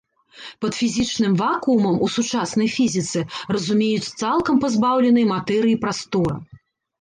Пад фізічным вакуумам у сучаснай фізіцы разумеюць цалкам пазбаўленай матэрыі прастора.